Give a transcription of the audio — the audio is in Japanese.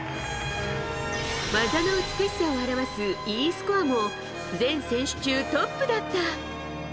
技の美しさを表すＥスコアも全選手中トップだった。